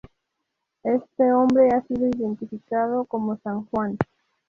Este hombre ha sido identificado como San Juan.